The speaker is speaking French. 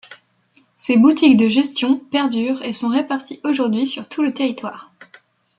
Ces boutiques de gestion perdurent et sont réparties aujourd'hui sur tout le territoire.